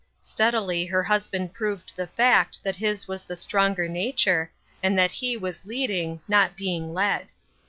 Steadily her husband proved the fact that his was the stronger nature, and that he was lead ing, not being led.